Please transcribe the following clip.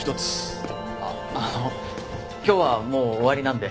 あっあの今日はもう終わりなんで。